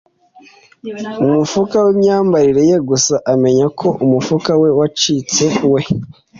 umufuka wimyambarire ye gusa amenya ko umufuka we wacitse. we